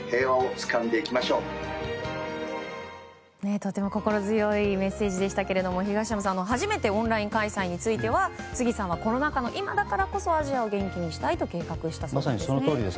とても心強いメッセージでしたが東山さん、初めてのオンライン開催については杉さんはコロナ禍の今だからこそアジアを元気にしたいと計画したそうです。